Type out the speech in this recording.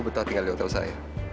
beta tinggal di hotel saya